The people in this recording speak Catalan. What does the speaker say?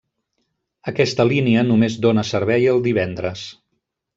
Aquesta línia només dóna servei el divendres.